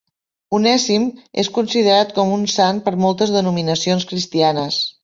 Onèsim és considerat com un sant per moltes denominacions cristianes.